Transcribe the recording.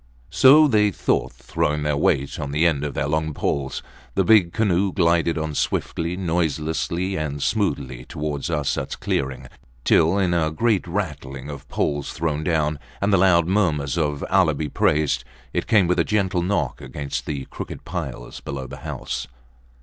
So they thought, throwing their weight on the end of their long poles. The big canoe glided on swiftly, noiselessly, and smoothly, towards Arsats clearing, till, in a great rattling of poles thrown down, and the loud murmurs of Allah be praised! it came with a gentle knock against the crooked piles below the house.